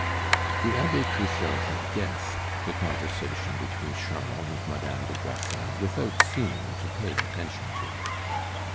The Abbe Cruchot had guessed the conversation between Charles and Madame des Grassins without seeming to pay attention to it.